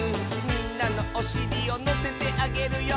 「みんなのおしりをのせてあげるよ」